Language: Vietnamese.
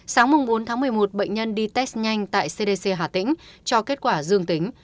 sáng bốn tháng một mươi một bệnh nhân đi test nhanh tại cdc hà tĩnh